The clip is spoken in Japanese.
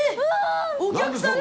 お客さんだ。